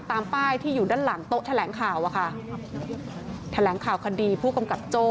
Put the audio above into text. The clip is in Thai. ตามป้ายที่อยู่ด้านหลังโต๊ะแถลงข่าวอะค่ะแถลงข่าวคดีผู้กำกับโจ้